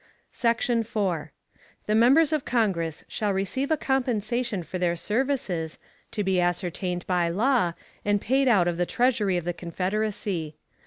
Section 4. The members of Congress shall receive a compensation for their services, to be ascertained by law, and paid out of the Treasury of the Confederacy.